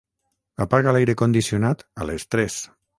Apaga l'aire condicionat a les tres.